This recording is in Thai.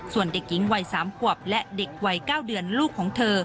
ส่วนเด็กหญิงวัย๓ขวบและเด็กวัย๙เดือนลูกของเธอ